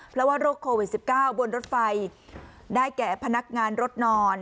เพราะว่าโรคโควิด๑๙บนรถไฟได้แก่พนักงานรถนอน